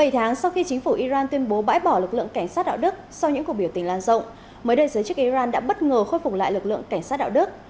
bảy tháng sau khi chính phủ iran tuyên bố bãi bỏ lực lượng cảnh sát đạo đức sau những cuộc biểu tình lan rộng mới đây giới chức iran đã bất ngờ khôi phục lại lực lượng cảnh sát đạo đức